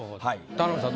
田辺さん